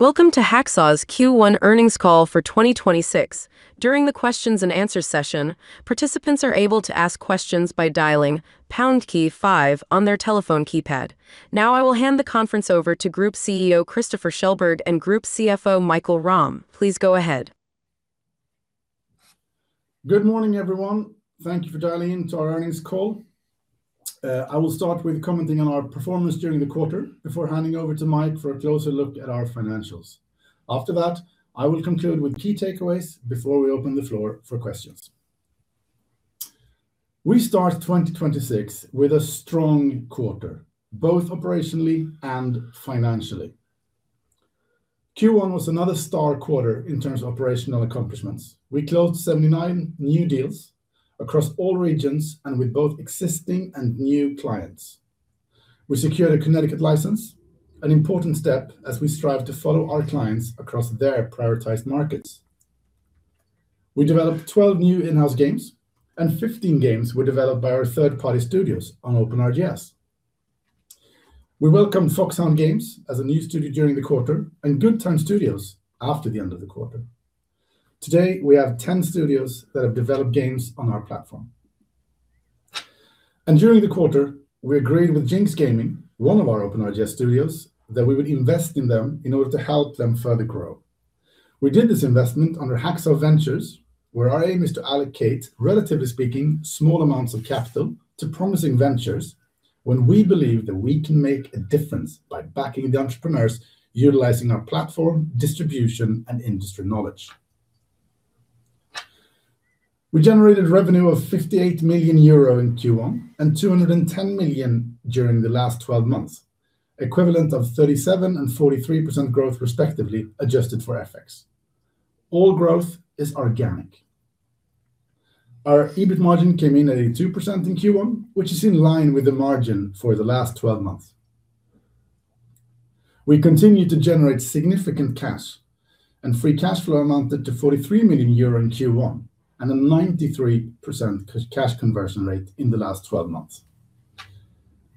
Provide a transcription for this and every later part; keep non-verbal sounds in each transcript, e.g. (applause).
Welcome to Hacksaw's Q1 earnings call for 2026. During the questions-and-answer session, participants are able to ask questions by dialing pound key five on their telephone keypad. Now, I will hand the conference over to Group CEO Christoffer Källberg and Group CFO Mikael Rahm. Please go ahead. Good morning, everyone. Thank you for dialing in to our earnings call. I will start with commenting on our performance during the quarter before handing over to Mike for a closer look at our financials. After that, I will conclude with key takeaways before we open the floor for questions. We start 2026 with a strong quarter, both operationally and financially. Q1 was another stellar quarter in terms of operational accomplishments. We closed 79 new deals across all regions and with both existing and new clients. We secured a Connecticut license, an important step as we strive to follow our clients across their prioritized markets. We developed 12 new in-house games, and 15 games were developed by our third-party studios on OpenRGS. We welcomed Foxhound Games as a new studio during the quarter and Good Times Studios after the end of the quarter. Today, we have 10 studios that have developed games on our platform. During the quarter, we agreed with Jinx Gaming, one of our OpenRGS studios, that we would invest in them in order to help them further grow. We did this investment under Hacksaw Ventures, where our aim is to allocate, relatively speaking, small amounts of capital to promising ventures when we believe that we can make a difference by backing the entrepreneurs, utilizing our platform, distribution, and industry knowledge. We generated revenue of 58 million euro in Q1 and 210 million during the last 12 months, equivalent of 37% and 43% growth respectively, adjusted for FX. All growth is organic. Our EBIT margin came in at 82% in Q1, which is in line with the margin for the last 12 months. We continue to generate significant cash, and free cash flow amounted to 43 million euro in Q1 and a 93% cash conversion rate in the last 12 months.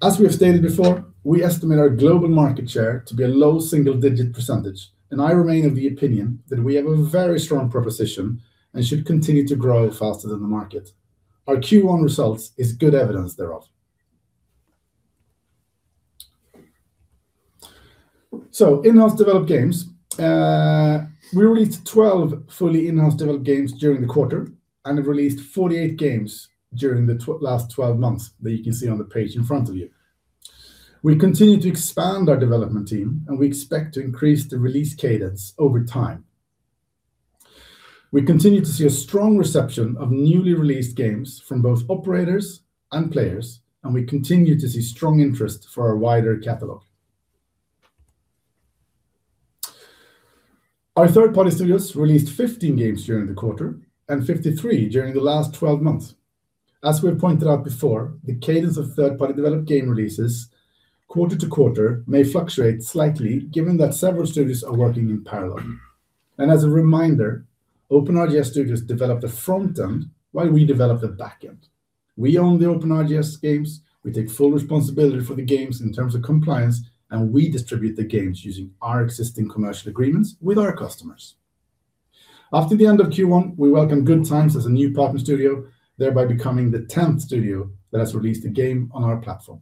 As we have stated before, we estimate our global market share to be a low single-digit percentage, and I remain of the opinion that we have a very strong proposition and should continue to grow faster than the market. Our Q1 results is good evidence thereof. So, in-house developed games. We released 12 fully in-house developed games during the quarter and have released 48 games during the last 12 months that you can see on the page in front of you. We continue to expand our development team, and we expect to increase the release cadence over time. We continue to see a strong reception of newly released games from both operators and players, and we continue to see strong interest for our wider catalog. Our third-party studios released 15 games during the quarter and 53 during the last 12 months. As we have pointed out before, the cadence of third-party developed game releases, quarter-to-quarter, may fluctuate slightly given that several studios are working in parallel. As a reminder, OpenRGS studios develop the front end while we develop the back end. We own the OpenRGS games, we take full responsibility for the games in terms of compliance, and we distribute the games using our existing commercial agreements with our customers. After the end of Q1, we welcome Good Times as a new partner studio, thereby becoming the 10th studio that has released a game on our platform.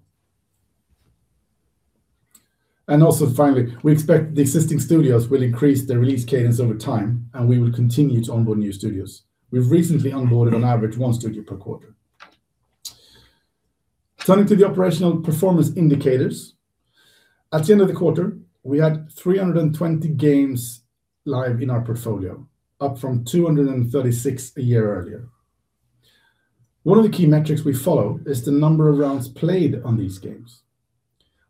Also finally, we expect the existing studios will increase their release cadence over time, and we will continue to onboard new studios. We've recently onboarded on average one studio per quarter. Turning to the operational performance indicators. At the end of the quarter, we had 320 games live in our portfolio, up from 236 a year earlier. One of the key metrics we follow is the number of rounds played on these games.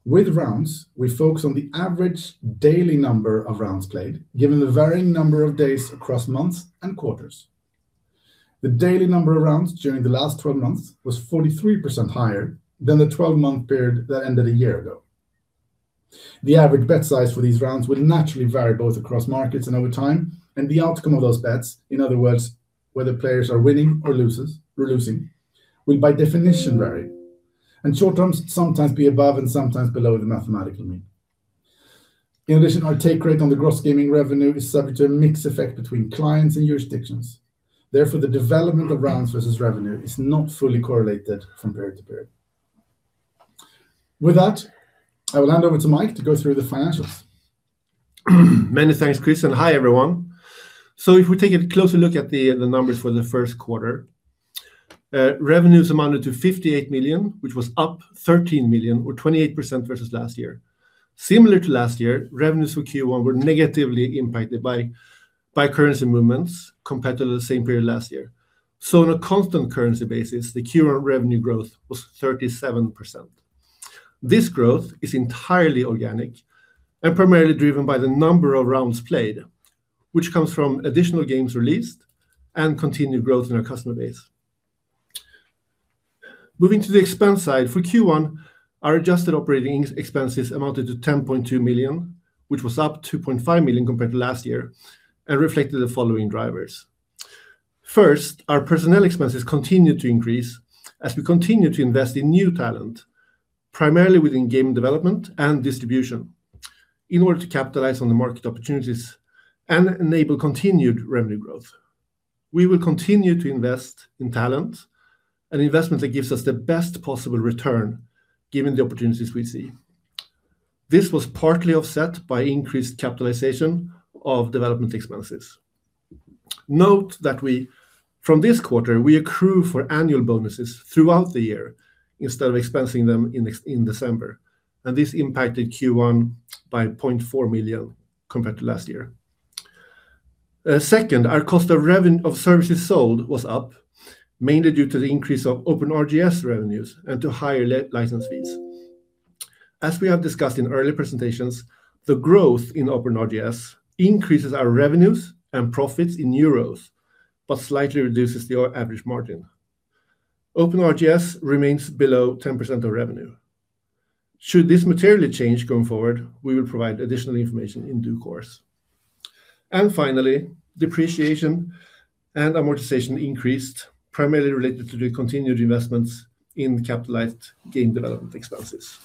With rounds, we focus on the average daily number of rounds played, given the varying number of days across months and quarters. The daily number of rounds during the last 12 months was 43% higher than the 12-month period that ended a year ago. The average bet size for these rounds will naturally vary both across markets and over time, and the outcome of those bets, in other words, whether players are winning or losing, will by definition vary, and in short term sometimes be above and sometimes below the mathematical mean. In addition, our take rate on the gross gaming revenue is subject to a mix effect between clients and jurisdictions. Therefore, the development of rounds versus revenue is not fully correlated from period-to-period. With that, I will hand over to Mike to go through the financials. Many thanks, Chris, and hi, everyone. If we take a closer look at the numbers for the first quarter, revenues amounted to 58 million, which was up 13 million, or 28%, versus last year. Similar to last year, revenues for Q1 were negatively impacted by currency movements compared to the same period last year. On a constant currency basis, the Q1 revenue growth was 37%. This growth is entirely organic and primarily driven by the number of rounds played, which comes from additional games released and continued growth in our customer base. Moving to the expense side, for Q1, our adjusted operating expenses amounted to 10.2 million, which was up 2.5 million compared to last year and reflected the following drivers. First, our personnel expenses continued to increase as we continued to invest in new talent, primarily within game development and distribution in order to capitalize on the market opportunities and enable continued revenue growth. We will continue to invest in talent and investment that gives us the best possible return, given the opportunities we see. This was partly offset by increased capitalization of development expenses. Note that from this quarter, we accrue for annual bonuses throughout the year instead of expensing them in December, and this impacted Q1 by 0.4 million compared to last year. Second, our cost of services sold was up, mainly due to the increase of OpenRGS revenues and to higher license fees. As we have discussed in earlier presentations, the growth in OpenRGS increases our revenues and profits in euros but slightly reduces the average margin. OpenRGS remains below 10% of revenue. Should this materially change going forward, we will provide additional information in due course. Finally, depreciation and amortization increased, primarily related to the continued investments in capitalized game development expenses.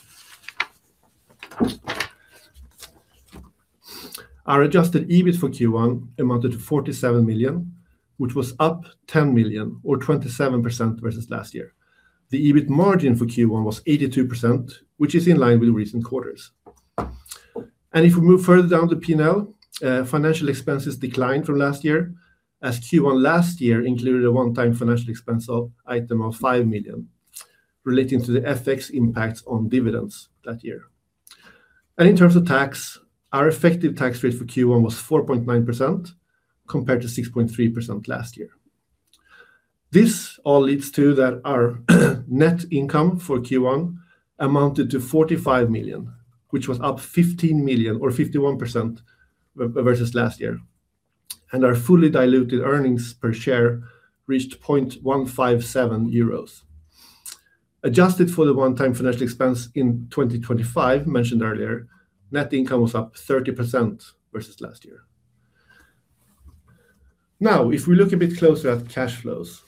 Our adjusted EBIT for Q1 amounted to 47 million, which was up 10 million or 27% versus last year. The EBIT margin for Q1 was 82%, which is in line with recent quarters. If we move further down to P&L, financial expenses declined from last year, as Q1 last year included a one-time financial expense item of 5 million relating to the FX impact on dividends that year. In terms of tax, our effective tax rate for Q1 was 4.9% compared to 6.3% last year. This all leads to that our net income for Q1 amounted to 45 million, which was up 15 million or 51% versus last year, and our fully diluted earnings per share reached 0.157 euros. Adjusted for the one-time financial expense in 2025 mentioned earlier, net income was up 30% versus last year. Now, if we look a bit closer at cash flows,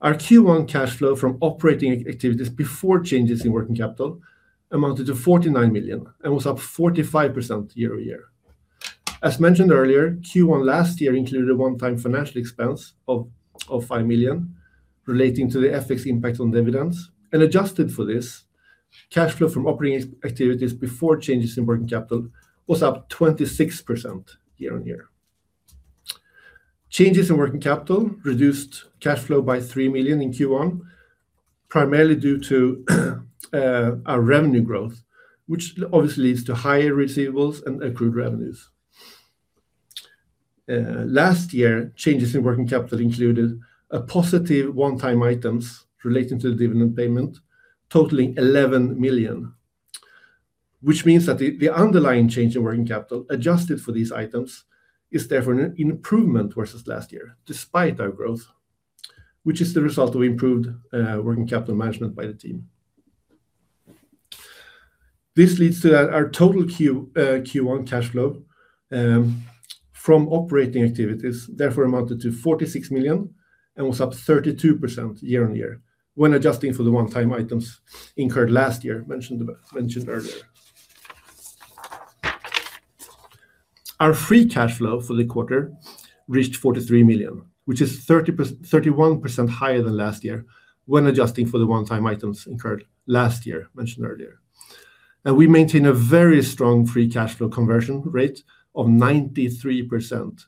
our Q1 cash flow from operating activities before changes in working capital amounted to 49 million and was up 45% year-on-year. As mentioned earlier, Q1 last year included a one-time financial expense of 5 million relating to the FX impact on dividends, and adjusted for this, cash flow from operating activities before changes in working capital was up 26% year-on-year. Changes in working capital reduced cash flow by 3 million in Q1, primarily due to our revenue growth, which obviously leads to higher receivables and accrued revenues. Last year, changes in working capital included a positive one-time items relating to the dividend payment totaling 11 million, which means that the underlying change in working capital adjusted for these items is therefore an improvement versus last year, despite our growth, which is the result of improved working capital management by the team. This leads to that our total Q1 cash flow from operating activities therefore amounted to 46 million and was up 32% year-on-year when adjusting for the one-time items incurred last year mentioned earlier. Our free cash flow for the quarter reached 43 million, which is 31% higher than last year when adjusting for the one-time items incurred last year mentioned earlier. We maintain a very strong free cash flow conversion rate of 93%,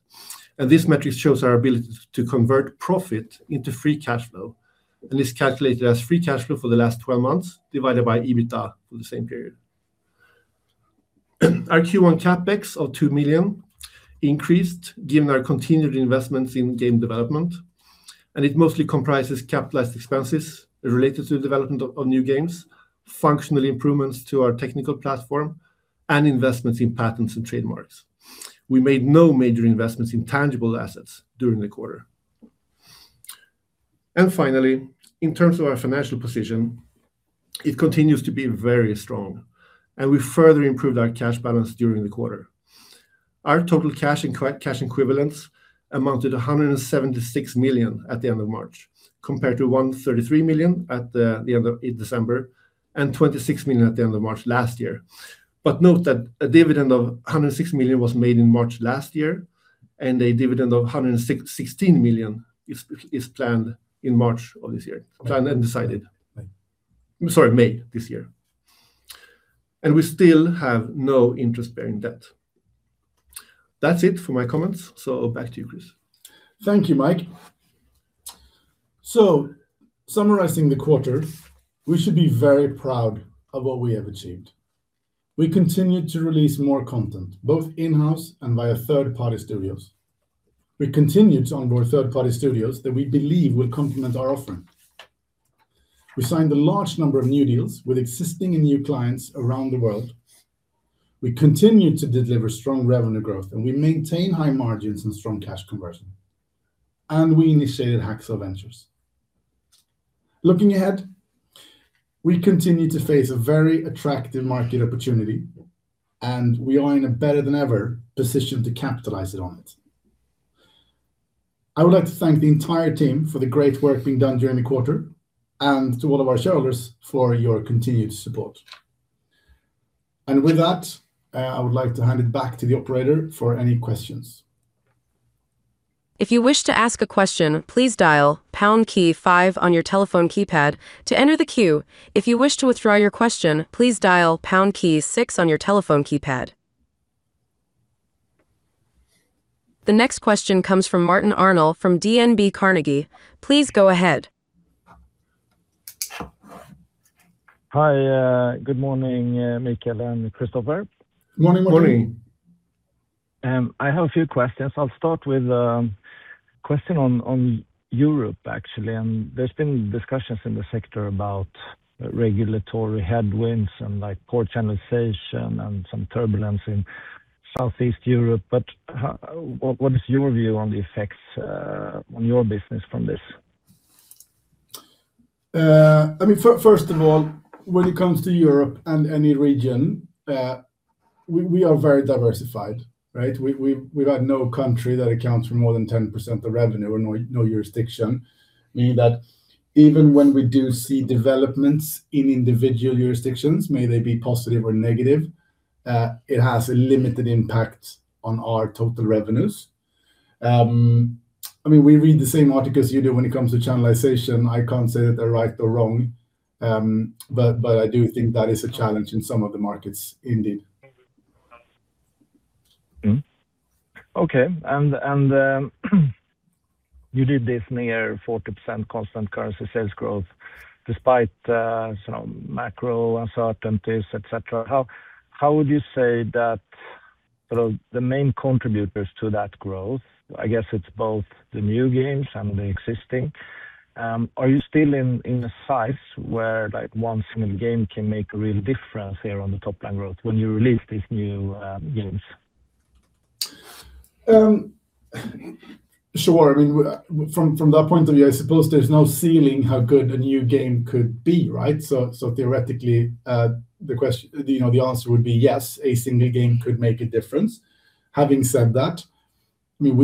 and this metric shows our ability to convert profit into free cash flow and is calculated as free cash flow for the last 12 months divided by EBITDA for the same period. Our Q1 CapEx of 2 million increased given our continued investments in game development, and it mostly comprises capitalized expenses related to the development of new games, functional improvements to our technical platform, and investments in patents and trademarks. We made no major investments in tangible assets during the quarter. Finally, in terms of our financial position, it continues to be very strong, and we further improved our cash balance during the quarter. Our total cash and cash equivalents amounted to 176 million at the end of March, compared to 133 million at the end of December and 26 million at the end of March last year. Note that a dividend of 106 million was made in March last year, and a dividend of 116 million is planned in March of this year. Planned and decided. Sorry, May this year. We still have no interest-bearing debt. That's it for my comments, so back to you, Chris. Thank you, Mike. Summarizing the quarter, we should be very proud of what we have achieved. We continued to release more content, both in-house and via third-party studios. We continued to onboard third-party studios that we believe will complement our offering. We signed a large number of new deals with existing and new clients around the world. We continued to deliver strong revenue growth, and we maintain high margins and strong cash conversion, and we initiated Hacksaw Ventures. Looking ahead, we continue to face a very attractive market opportunity, and we are in a better than ever position to capitalize on it. I would like to thank the entire team for the great work being done during the quarter and to all of our shareholders for your continued support. With that, I would like to hand it back to the operator for any questions. If you wish to ask a question, please dial pound key five on your telephone keypad to enter the queue. If you wish to withdraw your question, please dial pound key six on your telephone keypad. The next question comes from Martin Arnell from DNB Carnegie. Please go ahead. Hi. Good morning, Mikael and Christoffer. Morning, Martin. I have a few questions. I'll start with a question on Europe, actually. There's been discussions in the sector about regulatory headwinds and like poor channelization and some turbulence in Southeast Europe. What is your view on the effects on your business from this? I mean, first of all, when it comes to Europe and any region, we are very diversified. We've had no country that accounts for more than 10% of revenue or no jurisdiction, meaning that even when we do see developments in individual jurisdictions, may they be positive or negative, it has a limited impact on our total revenues. I mean, we read the same articles you do when it comes to channelization. I can't say they're right or wrong, but I do think that is a challenge in some of the markets, indeed. Mm-hmm. Okay. You did this near 40% constant currency sales growth despite some macro uncertainties, et cetera. How would you say that the main contributors to that growth? I guess it's both the new games and the existing. Are you still in a size where like one single game can make a real difference here on the topline growth when you release these new games? Sure. I mean, from that point of view, I suppose there's no ceiling how good a new game could be, right? Theoretically, you know, the answer would be yes, a single game could make a difference. Having said that, I mean,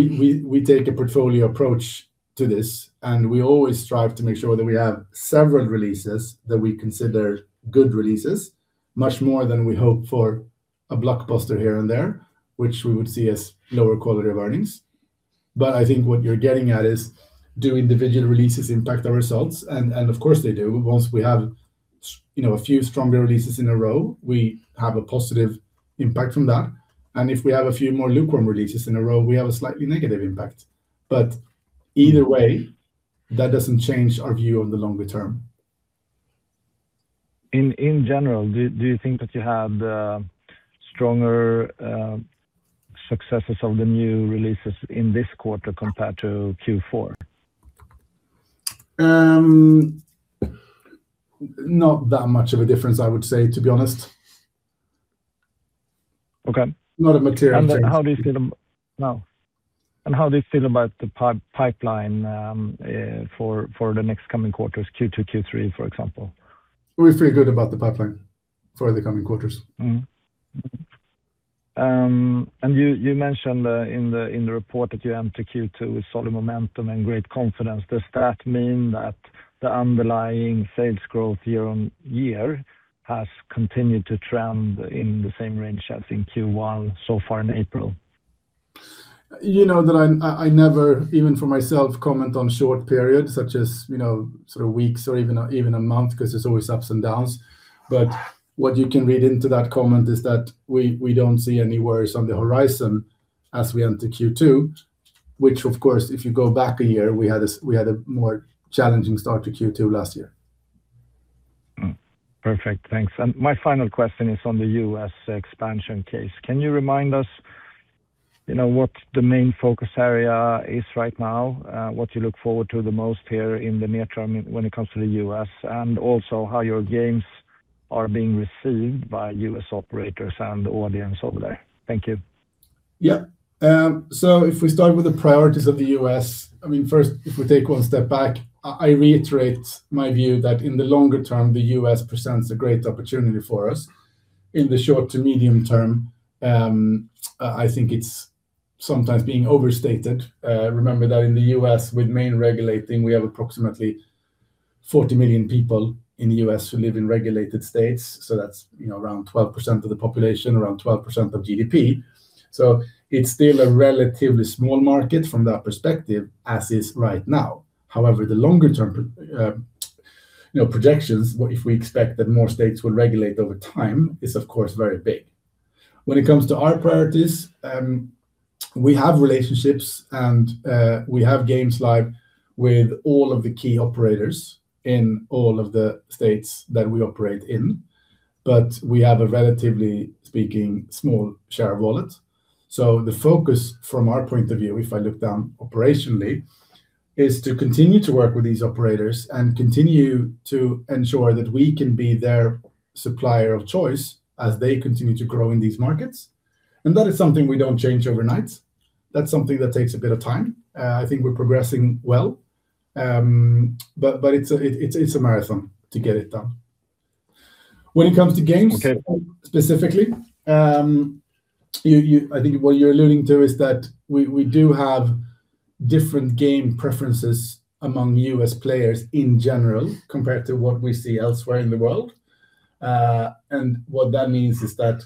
we take a portfolio approach to this, and we always strive to make sure that we have several releases that we consider good releases, much more than we hope for a blockbuster here and there, which we would see as lower quality of earnings. I think what you're getting at is do individual releases impact our results? Of course, they do. Once we have, you know, a few stronger releases in a row, we have a positive impact from that. If we have a few more lukewarm releases in a row, we have a slightly negative impact. Either way, that doesn't change our view on the longer term. In general, do you think that you had stronger successes of the new releases in this quarter compared to Q4? Not that much of a difference, I would say, to be honest. Okay. Not a material change. No. How do you feel about the pipeline for the next coming quarters, Q2, Q3, for example? We feel good about the pipeline for the coming quarters. You mentioned in the report that you enter Q2 with solid momentum and great confidence. Does that mean that the underlying sales growth year-on-year has continued to trend in the same range as in Q1 so far in April? You know that I never, even for myself, comment on short periods such as, you know, sort of weeks or even a month because there's always ups and downs. What you can read into that comment is that we don't see any worries on the horizon as we enter Q2, which of course, if you go back a year, we had a more challenging start to Q2 last year. Mm-hmm. Perfect. Thanks. My final question is on the U.S. expansion case. Can you remind us, you know, what the main focus area is right now, what you look forward to the most here in the near term when it comes to the U.S., and also how your games are being received by U.S. operators and audience over there? Thank you. Yeah. If we start with the priorities of the U.S., I mean, first, if we take one step back, I reiterate my view that in the longer term, the U.S. presents a great opportunity for us. In the short to medium term, I think it's sometimes being overstated. Remember that in the U.S., we've been regulating, we have approximately 40 million people in the U.S. who live in regulated states. That's, you know, around 12% of the population, around 12% of GDP. It's still a relatively small market from that perspective, as it is right now. However, the longer term, you know, projections, what we expect that more states will regulate over time, is of course very big. When it comes to our priorities, we have relationships and we have games live with all of the key operators in all of the states that we operate in. We have a, relatively speaking, small share of wallet. The focus from our point of view, if I look down operationally, is to continue to work with these operators and continue to ensure that we can be their supplier of choice as they continue to grow in these markets. That is something we don't change overnight. That's something that takes a bit of time. I think we're progressing well. But it's a marathon to get it done. When it comes to games. Okay. Specifically, you, I think what you're alluding to is that we do have different game preferences among U.S. players in general compared to what we see elsewhere in the world. What that means is that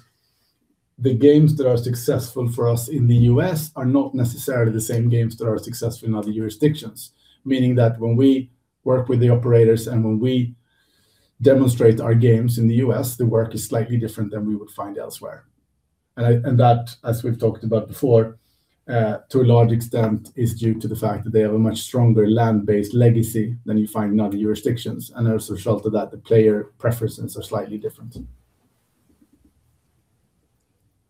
the games that are successful for us in the U.S. are not necessarily the same games that are successful in other jurisdictions. Meaning that when we work with the operators and when we demonstrate our games in the U.S., the work is slightly different than we would find elsewhere. And that, as we've talked about before, to a large extent is due to the fact that they have a much stronger land-based legacy than you find in other jurisdictions. As a result of that, the player preferences are slightly different.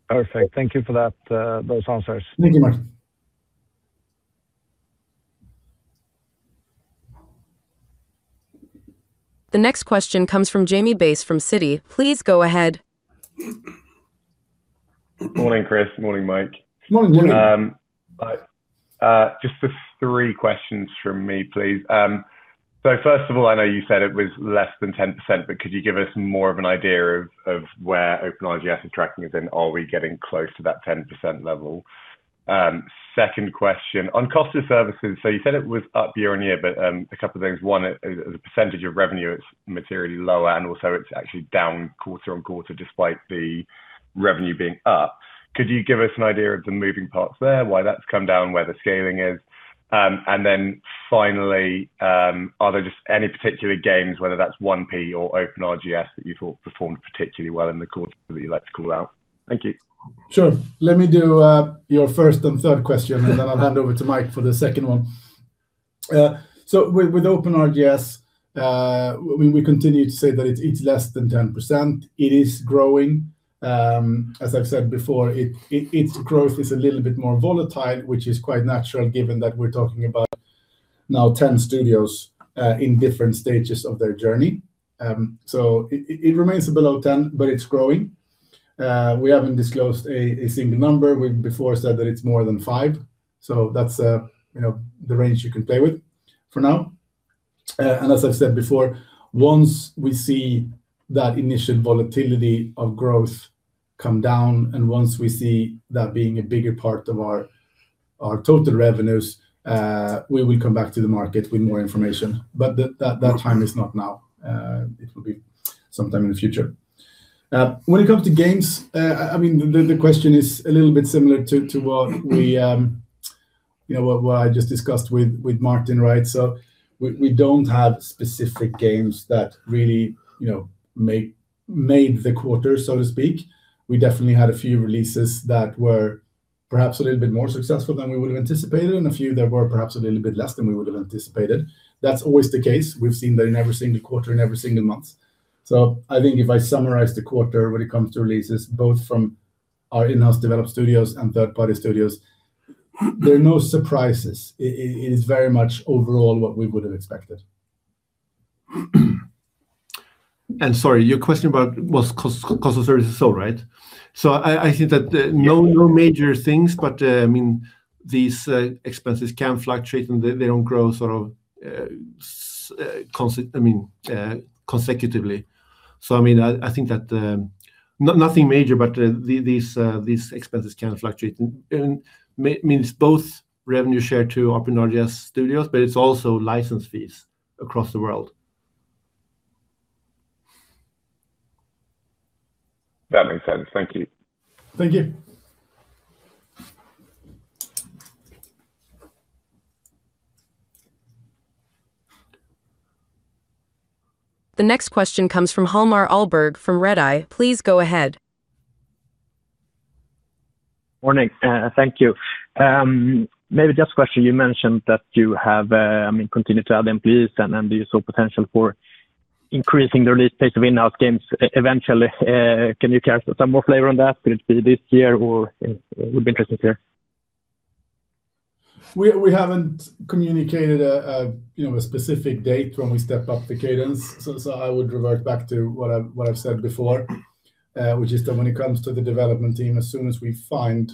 Perfect. Thank you for that, those answers. Thank you, Martin. The next question comes from Jamie Bass from Citi. Please go ahead. Morning, Chris. Morning, Mike. Morning, Jamie. Just the three questions from me, please. First of all, I know you said it was less than 10%, but could you give us more of an idea of where OpenRGS attracting is in? Are we getting close to that 10% level? Second question, on cost of services, you said it was up year-on-year, but a couple of things. One, as a percentage of revenue, it's materially lower, and also, it's actually down quarter-on-quarter despite the revenue being up. Could you give us an idea of the moving parts there, why that's come down, where the scaling is? Then finally, are there just any particular games, whether that's 1P or OpenRGS, that you thought performed particularly well in the quarter that you'd like to call out? Thank you. Sure. Let me do your first and third question and then I'll hand over to Mike for the second one. With OpenRGS, we continue to say that it's less than 10%. It is growing. As I've said before, its growth is a little bit more volatile, which is quite natural given that we're talking about now 10 studios in different stages of their journey. It remains below 10%, but it's growing. We haven't disclosed a single number. We've said before that it's more than 5%, so that's, you know, the range you can play with for now. As I've said before, once we see that initial volatility of growth come down and once we see that being a bigger part of our total revenues, we will come back to the market with more information. That time is not now. It will be sometime in the future. When it comes to games, I mean, the question is a little bit similar to what we, you know, what I just discussed with Martin, right? We don't have specific games that really, you know, made the quarter, so to speak. We definitely had a few releases that were perhaps a little bit more successful than we would have anticipated, and a few that were perhaps a little bit less than we would have anticipated. That's always the case. We've seen that in every single quarter and every single month. I think if I summarize the quarter when it comes to releases, both from our in-house developed studios and third-party studios, there are no surprises. It is very much overall what we would have expected. Sorry, your question about what's cost of services sold, right? I think that no. Yeah. No major things, but I mean these expenses can fluctuate, and they don't grow sort of consecutively. I mean, I think that nothing major, but these expenses can fluctuate. It means both revenue share to OpenRGS studios, but it's also license fees across the world. That makes sense. Thank you. Thank you. The next question comes from Hjalmar Ahlberg from Redeye. Please go ahead. Morning. Thank you. Maybe just a question. You mentioned that you have, I mean, continued to add employees and you saw potential for increasing the release pace of in-house games eventually. Can you cast some more light on that? Could it be this year? It would be interesting to hear. We haven't communicated a, you know, a specific date when we step up the cadence. I would revert back to what I've said before, which is that when it comes to the development team, as soon as we find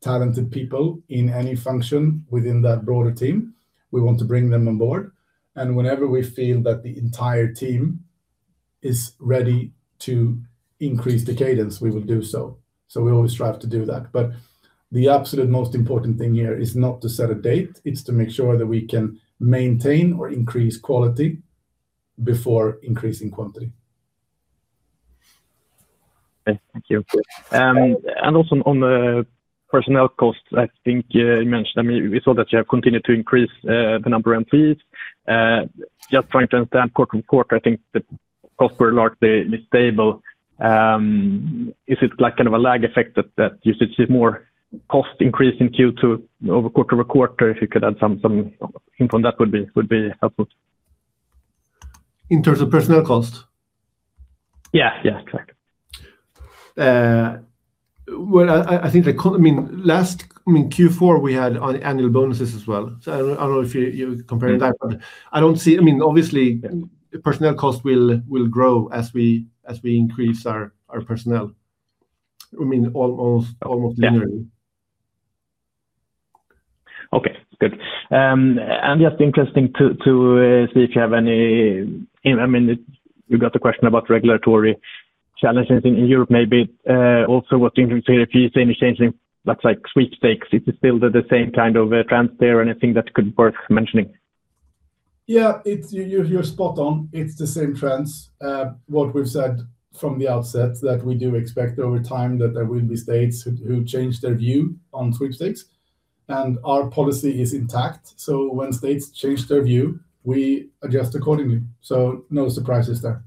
talented people in any function within that broader team, we want to bring them on board. Whenever we feel that the entire team is ready to increase the cadence, we will do so. We always strive to do that. The absolute most important thing here is not to set a date, it's to make sure that we can maintain or increase quality before increasing quantity. Okay. Thank you. Also on the personnel costs, I think you mentioned, I mean, we saw that you have continued to increase the number of employees. Just trying to understand quarter-on-quarter, I think the costs were largely stable. Is it like kind of a lag effect that you should see more cost increase in Q2 quarter-over-quarter? If you could add some input on that would be helpful. In terms of personnel cost? Yeah, yeah. Correct. Well, I think I mean, Q4 we had annual bonuses as well. I don't know if you're comparing that, but I mean, obviously, personnel cost will grow as we increase our personnel. I mean, almost linearly. Okay, good. Just interesting to see if you have any, I mean, you got the question about regulatory challenges in Europe maybe. Also, what, (audio distortion) that's like sweepstakes, if it's still the same kind of trends there, anything that could be worth mentioning? Yeah. You're spot on. It's the same trends. What we've said from the outset that we do expect over time that there will be states who change their view on sweepstakes, and our policy is intact. When states change their view, we adjust accordingly, no surprises there.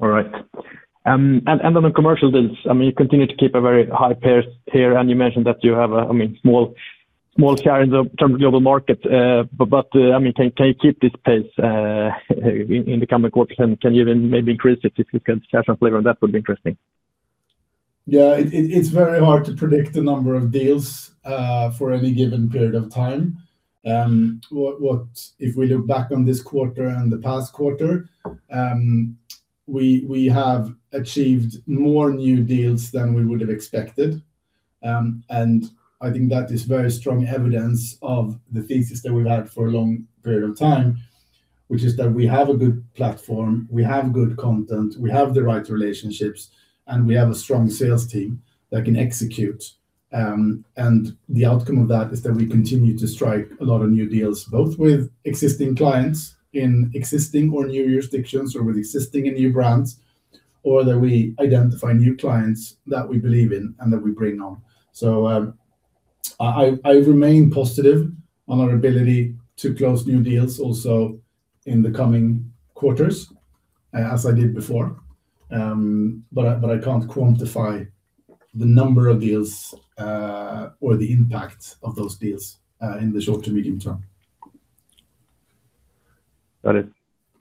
All right. On the commercial deals, I mean, you continue to keep a very high pace here, and you mentioned that you have a, I mean, small share in terms of the global market. But, I mean, can you keep this pace in the coming quarters, and can you even maybe increase it? If you can share some flavor on that, it would be interesting. Yeah. It's very hard to predict the number of deals for any given period of time. If we look back on this quarter and the past quarter, we have achieved more new deals than we would have expected. I think that is very strong evidence of the thesis that we've had for a long period of time, which is that we have a good platform, we have good content, we have the right relationships, and we have a strong sales team that can execute. The outcome of that is that we continue to strike a lot of new deals, both with existing clients in existing or new jurisdictions or with existing and new brands, or that we identify new clients that we believe in and that we bring on. I remain positive on our ability to close new deals also in the coming quarters as I did before. I can't quantify the number of deals, or the impact of those deals, in the short to medium term Got it.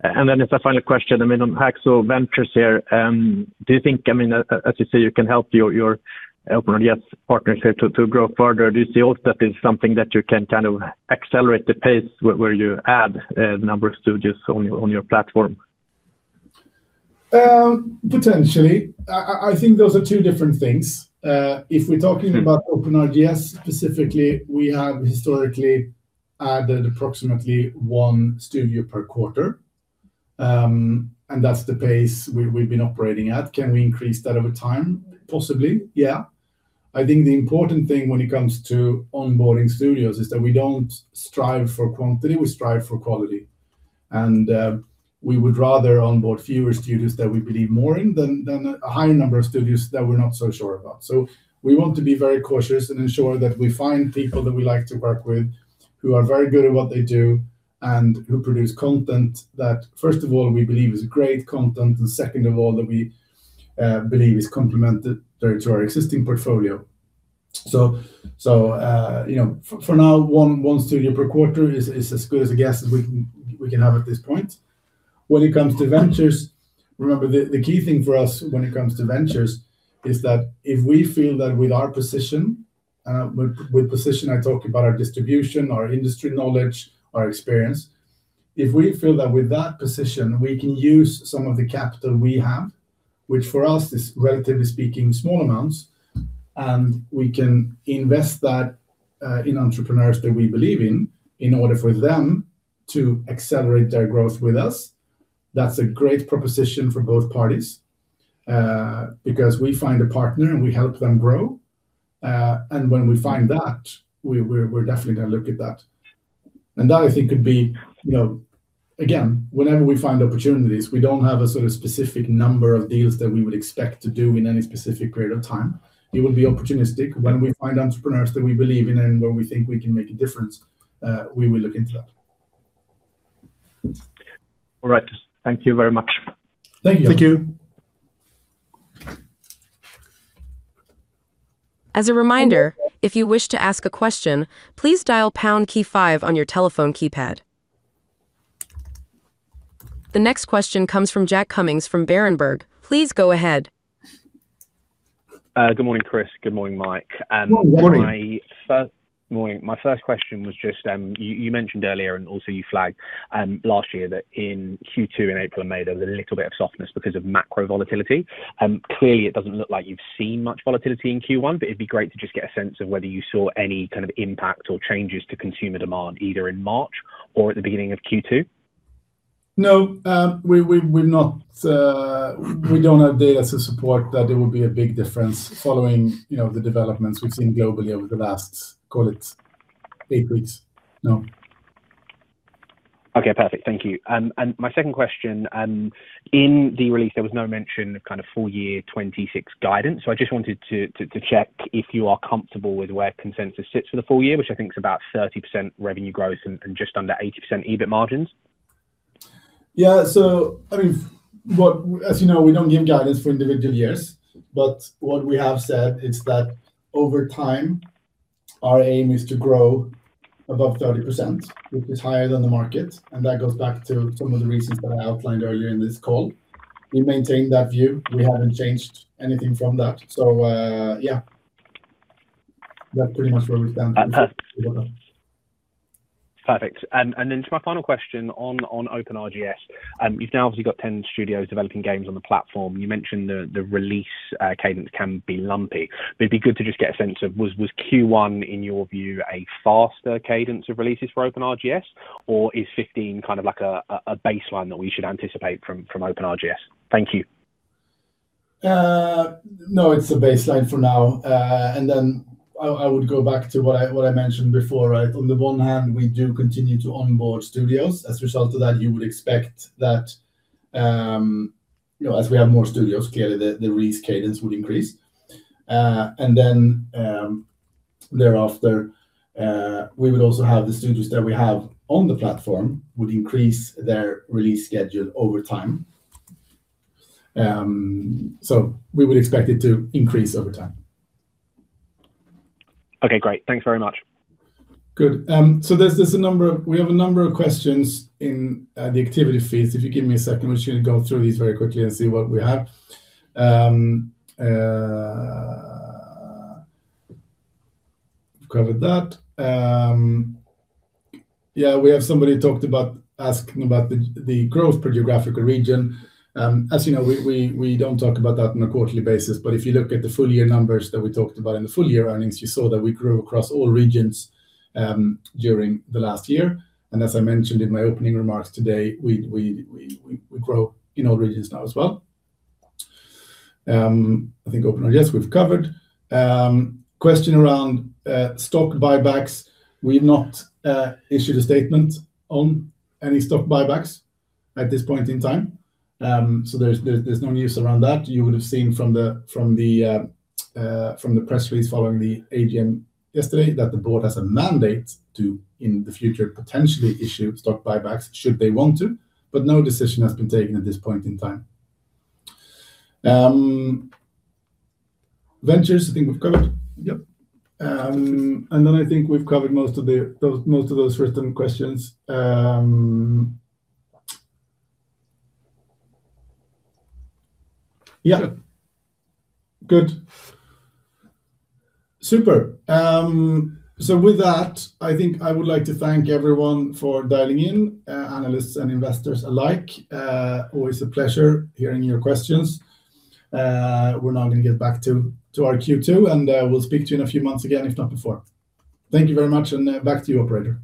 As a final question, I mean, on Hacksaw Ventures here, do you think, I mean, as you say, you can help your OpenRGS partners here to grow further. Do you see that as something that you can kind of accelerate the pace where you add number of studios on your platform? Potentially. I think those are two different things. If we're talking about OpenRGS specifically, we have historically added approximately one studio per quarter. And that's the pace we've been operating at. Can we increase that over time? Possibly, yeah. I think the important thing when it comes to onboarding studios is that we don't strive for quantity, we strive for quality. And we would rather onboard fewer studios that we believe more in than a high number of studios that we're not so sure about. We want to be very cautious and ensure that we find people that we like to work with, who are very good at what they do, and who produce content that first of all, we believe is great content, and second of all, that we believe is complemented to our existing portfolio. You know, for now, one studio per quarter is as good as a guess as we can have at this point. When it comes to Ventures, remember the key thing for us when it comes to ventures is that if we feel that with our position, with position I talk about our distribution, our industry knowledge, our experience, if we feel that with that position, we can use some of the capital we have, which for us is relatively speaking small amounts, and we can invest that in entrepreneurs that we believe in order for them to accelerate their growth with us, that's a great proposition for both parties. Because we find a partner and we help them grow, and when we find that, we're definitely gonna look at that. That I think could be, you know, again, whenever we find opportunities, we don't have a sort of specific number of deals that we would expect to do in any specific period of time. It will be opportunistic when we find entrepreneurs that we believe in and where we think we can make a difference, we will look into that. All right. Thank you very much. Thank you. Thank you. As a reminder, if you wish to ask a question, please dial pound key five on your telephone keypad. The next question comes from Jack Cummings from Berenberg. Please go ahead. Good morning, Chris. Good morning, Mike. Good morning. My first question was just, you mentioned earlier and also you flagged last year that in Q2 in April and May, there was a little bit of softness because of macro volatility. Clearly, it doesn't look like you've seen much volatility in Q1, but it'd be great to just get a sense of whether you saw any kind of impact or changes to consumer demand, either in March or at the beginning of Q2. No. We don't have data to support that there will be a big difference following, you know, the developments we've seen globally over the last, call it, eight weeks. No. Okay, perfect. Thank you. My second question, in the release, there was no mention of kind of full year 2026 guidance. I just wanted to check if you are comfortable with where consensus sits for the full year, which I think is about 30% revenue growth and just under 80% EBIT margins. Yeah. I mean, as you know, we don't give guidance for individual years, but what we have said is that over time, our aim is to grow above 30%, which is higher than the market. That goes back to some of the reasons that I outlined earlier in this call. We maintain that view. We haven't changed anything from that. Yeah, that's pretty much where we stand. Understood. Perfect. To my final question on OpenRGS, you've now obviously got 10 studios developing games on the platform. You mentioned the release cadence can be lumpy, but it'd be good to just get a sense of was Q1, in your view, a faster cadence of releases for OpenRGS, or is 15 kind of like a baseline that we should anticipate from OpenRGS? Thank you. No, it's a baseline for now. I would go back to what I mentioned before, right? On the one hand, we do continue to onboard studios. As a result of that, you would expect that, you know, as we have more studios, clearly the release cadence would increase. Thereafter, we would also have the studios that we have on the platform would increase their release schedule over time. We would expect it to increase over time. Okay, great. Thanks very much. Good. So there's a number, we have a number of questions in the activity feeds. If you give me a second, we should go through these very quickly and see what we have. We've covered that. Yeah, we have somebody asking about the growth per geographical region. As you know, we don't talk about that on a quarterly basis, but if you look at the full-year numbers that we talked about in the full-year earnings, you saw that we grew across all regions during the last year. As I mentioned in my opening remarks today, we grow in all regions now, as well. I think OpenRGS we've covered. Question around stock buybacks. We've not issued a statement on any stock buybacks at this point in time, so there's no news around that. You would have seen from the press release following the AGM yesterday that the board has a mandate to, in the future, potentially issue stock buybacks should they want to, but no decision has been taken at this point in time. Ventures, I think we've covered. Yep. I think we've covered most of those written questions. Yeah. Good. Super. With that, I think I would like to thank everyone for dialing in, analysts and investors alike. Always a pleasure hearing your questions. We're now gonna get back to our Q2, and we'll speak to you in a few months again, if not before. Thank you very much, and back to you, operator.